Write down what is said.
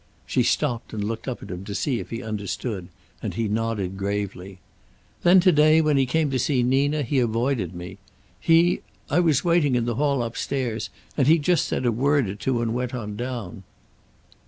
She stopped and looked up at him to see if he understood, and he nodded gravely. "Then to day, when he came to see Nina, he avoided me. He I was waiting in the hall upstairs, and he just said a word or two and went on down."